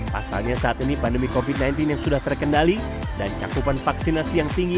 pasalnya saat ini pandemi covid sembilan belas yang sudah terkendali dan cakupan vaksinasi yang tinggi